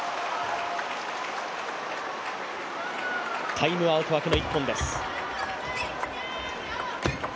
タイムアウト明けの１本です